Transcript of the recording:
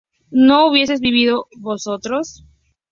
¿no hubieseis vivido vosotros?